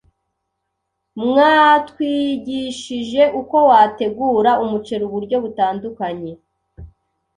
mwatwigishije uko wategura umuceli uburyo butandukanye